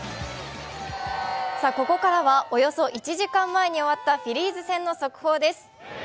ここからはおよそ１時間前に終わったフィリーズ戦の速報です。